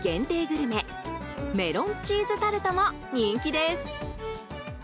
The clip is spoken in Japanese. グルメメロンチーズタルトも人気です。